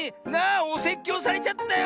おせっきょうされちゃったよ